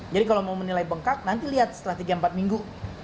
jadi kalau mau menilai bengkak nanti lihat setelah tiga empat minggu